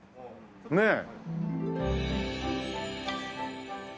ねえ。